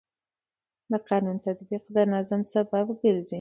د قانون تطبیق د نظم سبب ګرځي.